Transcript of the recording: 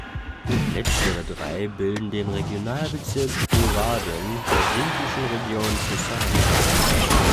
Letztere drei bilden den Regionalbezirk Sporaden der griechischen Region Thessalien.